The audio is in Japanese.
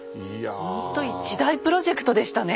ほんと一大プロジェクトでしたね。